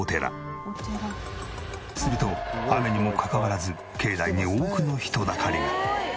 すると雨にもかかわらず境内に多くの人だかりが。